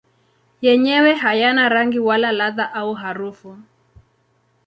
Yenyewe hayana rangi wala ladha au harufu.